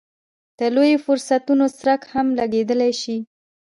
د لویو فرصتونو څرک هم لګېدلی شي.